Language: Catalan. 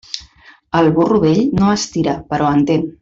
El burro vell no estira, però entén.